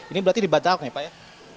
ini berarti dibatalkan pak ya